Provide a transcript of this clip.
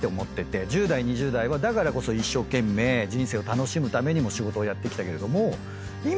１０代２０代はだからこそ一生懸命人生を楽しむためにも仕事をやってきたけれども今は。